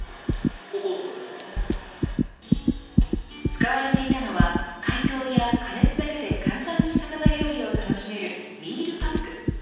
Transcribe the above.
使われていたのは解凍や加熱だけで簡単に魚料理を楽しめるミールパック。